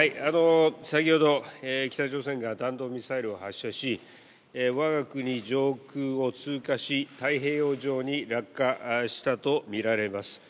先ほど北朝鮮が弾道ミサイルを発射し我が国上空を通過し、太平洋上に落下したとみられます。